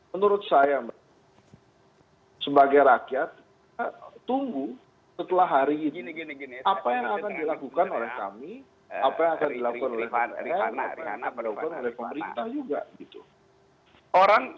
menurut saya sebagai rakyat kita tunggu setelah hari ini apa yang akan dilakukan oleh kami apa yang akan dilakukan oleh rikana apa yang akan dilakukan oleh pemerintah juga gitu